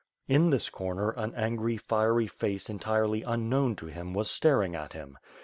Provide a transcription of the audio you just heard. In this comer an angry, fiery face entirely unknown to him, was staring at him.